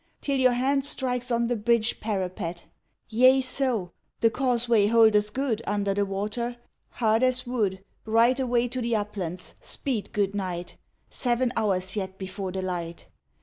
Till your hand strikes on the bridge parapet. Yea so: the causeway holdeth good Under the water? Hard as wood, Right away to the uplands; speed, good knight! Seven hours yet before the light.